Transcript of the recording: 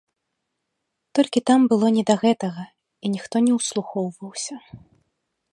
Толькі там было не да гэтага і ніхто не ўслухоўваўся.